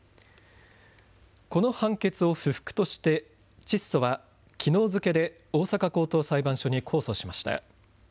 この判決を不服として、チッソはきのう付けで大阪高等裁判所に控訴しました。